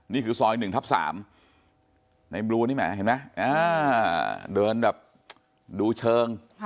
นี่คือซอย๑ทับ๓ในบลูนี่แหมเห็นไหมเดินแบบดูเชิง